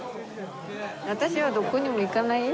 私はどこにも行かないよ。